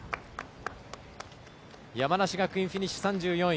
山梨学院フィニッシュ、３４位。